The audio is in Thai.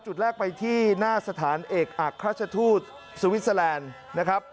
จุดแรกไปที่หน้าสถานเอกอักฆาตชาตุสวิทยาลันดิ์